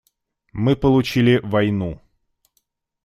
Мы получили войну.